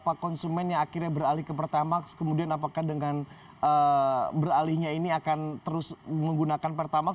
apa konsumen yang akhirnya beralih ke pertamax kemudian apakah dengan beralihnya ini akan terus menggunakan pertamax